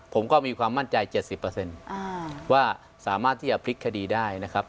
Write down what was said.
ผมก็มีความมั่นใจ๗๐ว่าสามารถที่จะพลิกคดีได้นะครับ